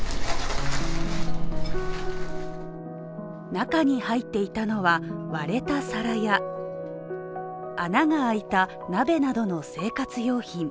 中に入っていたのは割れた皿や穴が開いた鍋などの生活用品。